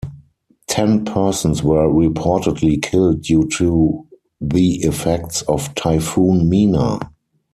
Ten persons were reportedly killed due to the effects of Typhoon Mina.